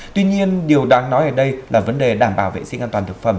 tuy nhiên điều đáng nói ở đây là vấn đề đảm bảo vệ sinh an toàn thực phẩm